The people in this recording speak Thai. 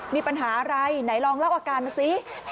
มีปัญหาอะไรไหนลองเล่าอาการมาสิ